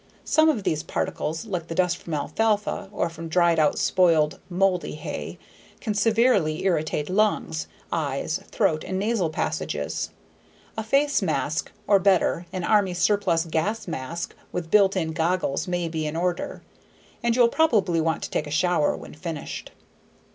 Some of these particles, like the dust from alfalfa or from dried out spoiled (moldy) hay, can severely irritate lungs, eyes, throat and nasal passages. A face mask, or better, an army surplus gas mask with built in goggles, may be in order. And you'll probably want to take a shower when finished.